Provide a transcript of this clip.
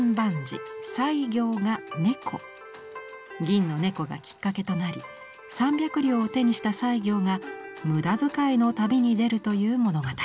銀の猫がきっかけとなり３百両を手にした西行が無駄遣いの旅に出るという物語。